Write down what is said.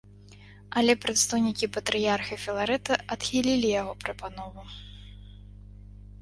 Але прадстаўнікі патрыярха філарэта адхілілі яго прапанову.